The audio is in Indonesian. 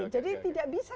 jadi tidak bisa